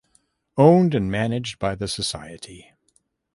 Owned and managed by the society.